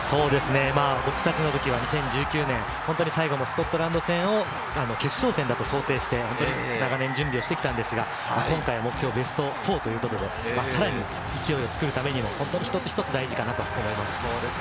僕たちの時は２０１９年、最後のスコットランド戦を決勝戦だと想定して、長年、準備をしてきましたが、今回、目標はベスト４ということで、さらに勢いを作るためにも一つ一つが大事だと思います。